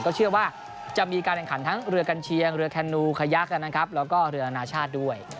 ก็เชื่อว่าจะมีการแข่งขันทั้งเรือกัญเชียงเรือแคนนูขยักนะครับแล้วก็เรืออนาชาติด้วย